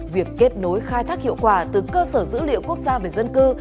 việc kết nối khai thác hiệu quả từ cơ sở dữ liệu quốc gia về dân cư